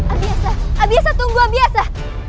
abiasa abiasa tunggu abiasa